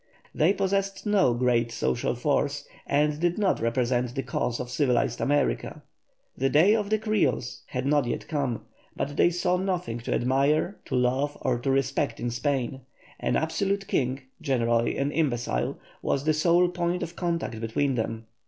They possessed no great social force, and did not represent the cause of civilized America. The day of the Creoles had not yet come, but they saw nothing to admire, to love, or to respect in Spain. An absolute King, generally an imbecile, was the sole point of contact between them.